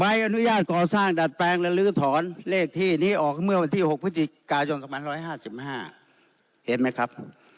อนุญาตก่อสร้างดัดแปลงและลื้อถอนเลขที่นี้ออกเมื่อวันที่๖พฤศจิกายน๒๕๕เห็นไหมครับ